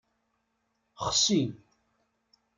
Xsi.